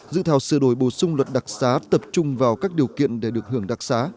dự thảo sửa đổi bổ sung luật đặc xá tập trung vào các điều kiện để được hưởng đặc xá